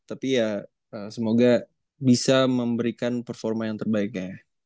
tapi ya semoga bisa memberikan performa yang terbaik ya